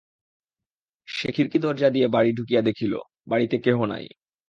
সে খিড়কি-দরজা দিয়া বাড়ি ঢুকিয়া দেখিল, বাড়িতে কেহ নাই।